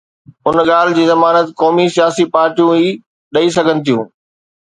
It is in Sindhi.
ان ڳالهه جي ضمانت قومي سياسي پارٽيون ئي ڏئي سگهن ٿيون.